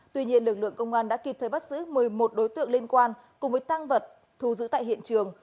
tuy nhiên lực lượng công an đã kịp thời bắt giữ một mươi một đối tượng liên quan cùng với tăng vật thu giữ tại hiện trường